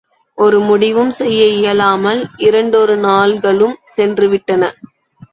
ஒரு முடிவும் செய்ய இயலாமல் இரண்டொரு நாள்களும் சென்றுவிட்டன.